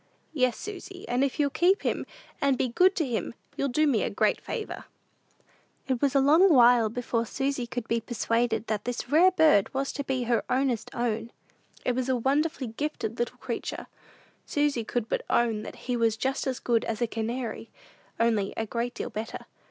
"Yes, Susy; and if you'll keep him, and be good to him, you'll do me a great favor." It was a long while before Susy could be persuaded that this rare bird was to be her "ownest own." It was a wonderfully gifted little creature. Susy could but own that he was just as good as a canary, only a great deal better.